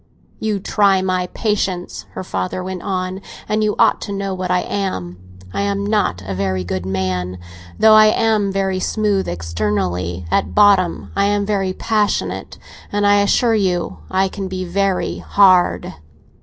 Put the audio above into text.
"You try my patience," her father went on, "and you ought to know what I am, I am not a very good man. Though I am very smooth externally, at bottom I am very passionate; and I assure you I can be very hard."